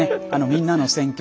「みんなの選挙」